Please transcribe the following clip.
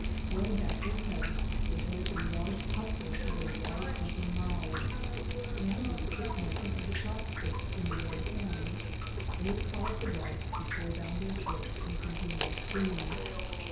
Throwing back their heads, they hold a large cupful to their wide open mouths, and, with a quick motion of the chopsticks in the other hand, they cause the rice to flow down their throats in a continuous stream.